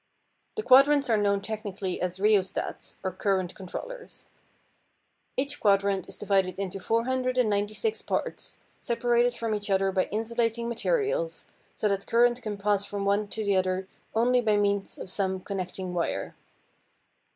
The quadrants are known technically as rheostats, or current controllers. Each quadrant is divided into 496 parts, separated from each other by insulating materials, so that current can pass from one to the other only by means of some connecting wire.